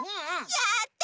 やった！